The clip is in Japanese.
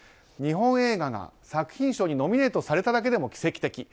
日本映画が作品賞にノミネートされただけでも奇跡的。